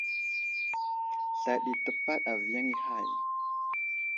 Sla ɗi təpaɗ aviyaŋ i hay.